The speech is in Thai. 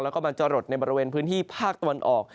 แล้วก็มันจะหลดในบริเวณพื้นที่ภาคตะวันออก